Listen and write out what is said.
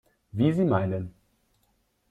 Wie Sie meinen.